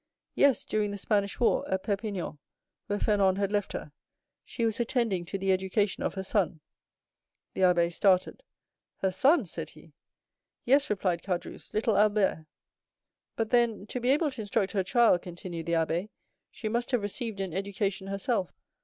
"Yes, during the Spanish war, at Perpignan, where Fernand had left her; she was attending to the education of her son." The abbé started. "Her son?" said he. "Yes," replied Caderousse, "little Albert." "But, then, to be able to instruct her child," continued the abbé, "she must have received an education herself.